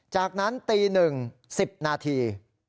จากนั้นตี๑๑๐นาที